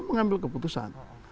segera mengambil keputusan